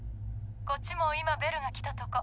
こっちも今ベルが来たとこ。